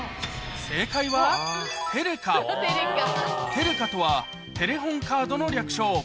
テレカとはテレホンカードの略称